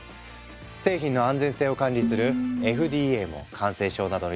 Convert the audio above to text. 製品の安全性を管理するＦＤＡも感染症などのリスクを考え